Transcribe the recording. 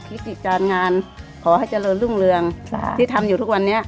ทิศติการงานขอให้เจริญรุ่งเรืองที่ทำอยู่ทุกวันนี้